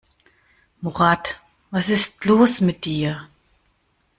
Murat, was ist los mit dir?